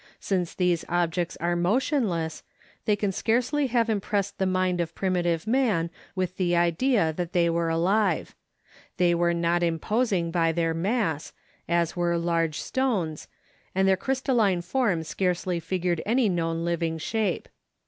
Since these objects are motionless, they can scarcely have impressed the mind of primitive man with the idea that they were alive; they were not imposing by their mass, as were large stones, and their crystalline form scarcely figured any known living shape.